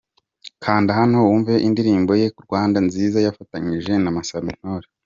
Kanda hano wumve indirimbo ye Rwanda nziza yafatanyije na Masamba Intore.